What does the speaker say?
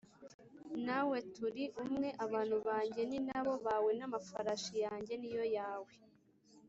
nawe turi umwe Abantu banjye ni na bo bawe n’Amafarashi yanjye ni yo yawe